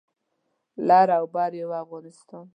لر او بر یو افغانستان